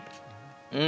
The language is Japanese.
うん。